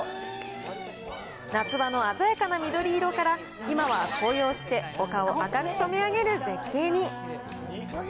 夏場の鮮やかな緑色から、今は紅葉して丘を赤く染め上げる絶景に。